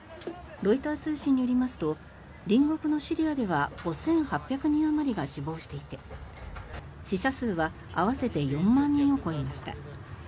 ロイター通信によりますと隣国のシリアでは５８００人あまりが死亡していて死者数は合わせて４万人を超えました。